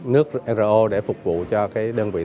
nước nro để phục vụ cho cái đơn vị tỉnh